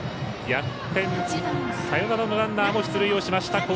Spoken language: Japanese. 逆転サヨナラのランナーも出塁をしました。